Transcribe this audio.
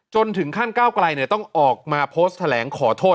ถึงขั้นก้าวไกลต้องออกมาโพสต์แถลงขอโทษ